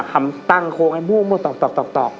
คำตั้งโค้งไอ้มั่วตอบ